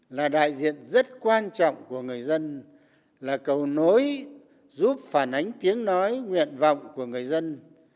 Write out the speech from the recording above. các phương tiện rất quan trọng của người dân là cầu nối giúp phản ánh tiếng nói nguyện vọng của người dân